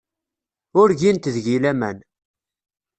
Ur gint deg-i laman.